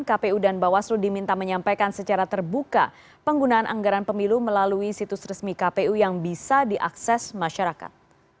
kpu dan bawaslu diminta menyampaikan secara terbuka penggunaan anggaran pemilu melalui situs resmi kpu yang bisa diakses masyarakat